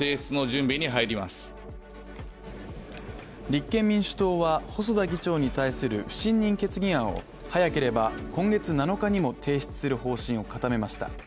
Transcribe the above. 立憲民主党は、細田議長に対する不信任決議案を早ければ今月７日にも提出する方針を固めました。